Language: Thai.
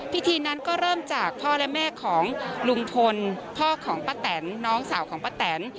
พิธีนั้นก็เริ่มจากพ่อและแม่ของลุงพลพ่อของป้าแตนน้องสาวของป้าแตน